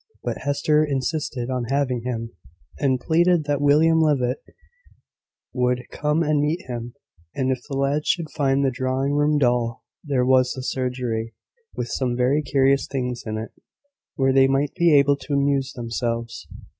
But Hester insisted on having him, and pleaded that William Levitt would come and meet him, and if the lads should find the drawing room dull, there was the surgery, with some very curious things in it, where they might be able to amuse themselves.